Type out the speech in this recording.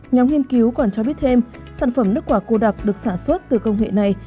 nhóm nghiên cứu còn cho biết thêm sản phẩm nước quả cô đặc được sản xuất từ công nghệ này